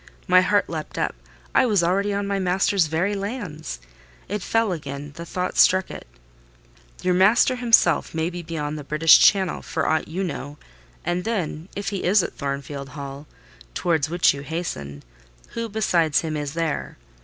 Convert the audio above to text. My heart leapt up: I was already on my master's very lands. It fell again: the thought struck it:— "Your master himself may be beyond the British Channel, for aught you know: and then, if he is at Thornfield Hall, towards which you hasten, who besides him is there?